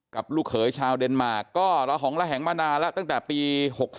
ลูกเขยชาวเดนมาร์ก็ระหองระแหงมานานแล้วตั้งแต่ปี๖๓